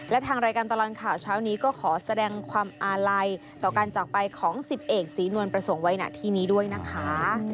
และทางรายการตลอดข่าวเช้านี้ก็ขอแสดงความอาลัยต่อการจากไปของ๑๐เอกศรีนวลประสงค์ไว้หน้าที่นี้ด้วยนะคะ